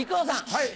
はい。